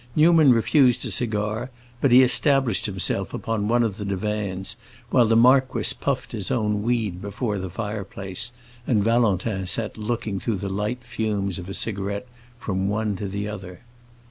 Newman refused a cigar, but he established himself upon one of the divans, while the marquis puffed his own weed before the fire place, and Valentin sat looking through the light fumes of a cigarette from one to the other.